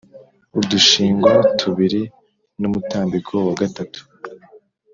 udushingwa tubiri n’umutambiko wa gatatu